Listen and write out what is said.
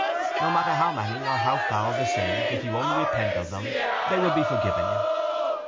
No matter how many or how foul the sins if you only repent of them they will be forgiven you.